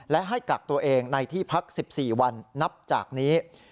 และให้กักตัวเองในที่พัก๑๔วันนับจากนี้